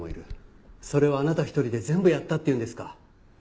それをあなた一人で全部やったっていうんですか？